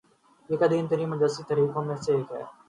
یہ قدیم ترین مسیحی تحریکوں میں سے ایک ہے